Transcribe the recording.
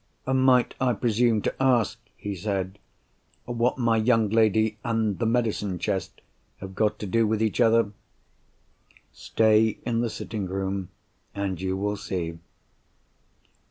"Might I presume to ask," he said, "what my young lady and the medicine chest have got to do with each other?" "Stay in the sitting room, and you will see."